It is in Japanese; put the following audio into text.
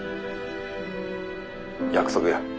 約束や。